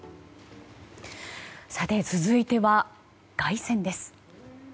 さて、続いては凱旋です。